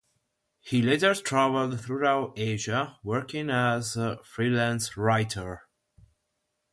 He later traveled throughout Asia working as a freelance writer.